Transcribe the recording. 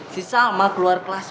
si salma keluar kelas